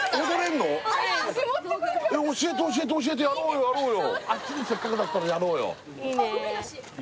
教えて教えて教えてやろうよやろうよ